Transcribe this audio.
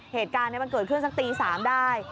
เหตุการณ์นี้มันเกิดขึ้นสักตี๓ได้